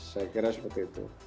saya kira seperti itu